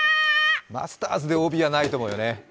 マスターズでＯＢはないと思うよね。